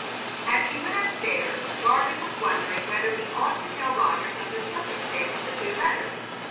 As he went up stairs Gardley was wondering whether he ought to tell Rogers of the circumstance of the two letters.